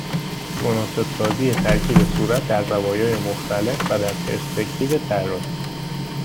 متناسب سازی ترکیب صورت در زوایای مختلف و در پرسپکتیو طراحی